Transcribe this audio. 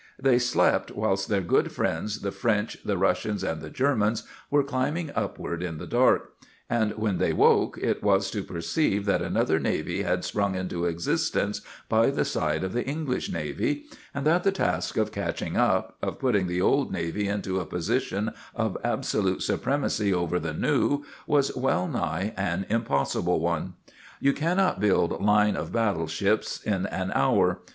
They slept whilst their good friends the French, the Russians, and the Germans were climbing upward in the dark; and when they woke it was to perceive that another navy had sprung into existence by the side of the English navy, and that the task of catching up, of putting the old navy into a position of absolute supremacy over the new, was well nigh an impossible one. You cannot build line of battle ships in an hour.